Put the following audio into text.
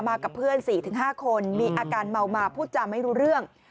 กับเพื่อน๔๕คนมีอาการเมามาพูดจำไม่รู้เรื่อง